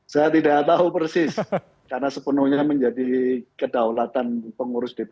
saya tidak tahu persis karena sepenuhnya menjadi kedaulatan pengurus dpp